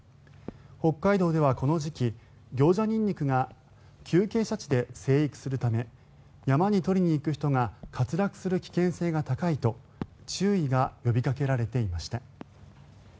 北海道ではこの時期、ギョウジャニンニクが急傾斜地で生育するため山に採りに行く人が滑落する危険性が高いと注意が呼びかけられていました。